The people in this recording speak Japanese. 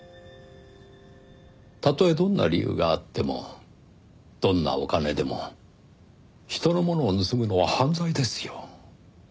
たとえどんな理由があってもどんなお金でも人のものを盗むのは犯罪ですよ。